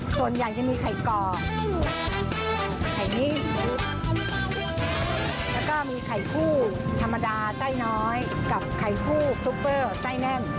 ส่วนใหญ่จะมีไข่ก่อไข่นิ่งแล้วก็มีไข่คู่ธรรมดาไส้น้อยกับไข่คู่ซุปเปอร์ไส้แน่น